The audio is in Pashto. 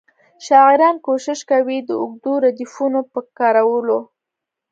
شاعران کوښښ کوي د اوږدو ردیفونو په کارولو.